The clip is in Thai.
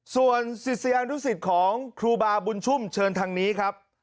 ส่วนศิษยานุสิตของครูบาบุญชุ่มเชิญทางนี้ครับ